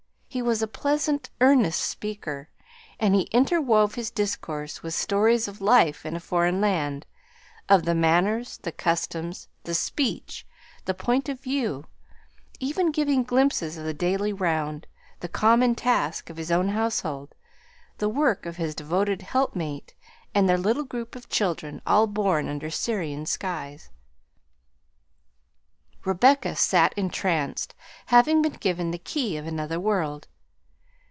He was a pleasant, earnest speaker, and he interwove his discourse with stories of life in a foreign land, of the manners, the customs, the speech, the point of view; even giving glimpses of the daily round, the common task, of his own household, the work of his devoted helpmate and their little group of children, all born under Syrian skies. Rebecca sat entranced, having been given the key of another world.